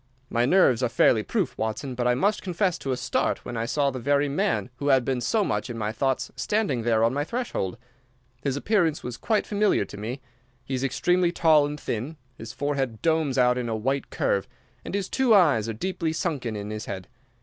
"My nerves are fairly proof, Watson, but I must confess to a start when I saw the very man who had been so much in my thoughts standing there on my threshhold. His appearance was quite familiar to me. He is extremely tall and thin, his forehead domes out in a white curve, and his two eyes are deeply sunken in his head.